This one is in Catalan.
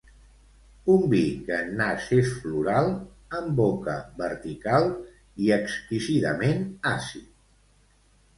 Un vi que en nas és floral, en boca vertical, i exquisidament àcid.